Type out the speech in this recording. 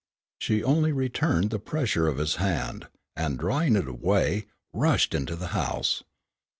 She only returned the pressure of his hand, and drawing it away, rushed into the house.